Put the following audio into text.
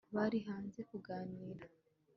bari hanze kuganira